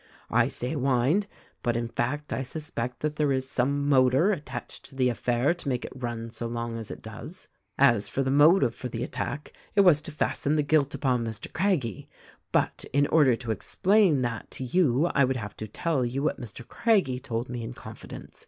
I say wind, but in fact I suspect that there is some motor attached to the affair to make it run so long as it does. 218 THE RECORDING ANGEL "As for the motive for the attack, it was to fasten the guilt upon Mr. Craggie ; but in order to explain that to you I would have to tell you what Mr. Craggie told me in con fidence.